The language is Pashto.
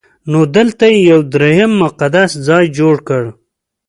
نو دلته یې یو درېیم مقدس ځای جوړ کړ.